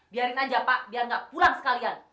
biarin saja pak biar tidak pulang sekalian